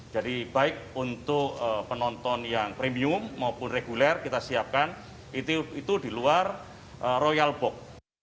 jadi baik untuk penonton yang premium maupun reguler kita siapkan itu di luar royal box